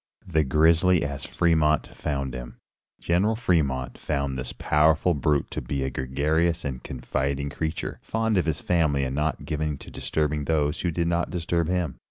XII. THE GRIZZLY AS FREMONT FOUND HIM. General Fremont found this powerful brute to be a gregarious and confiding creature, fond of his family and not given to disturbing those who did not disturb him.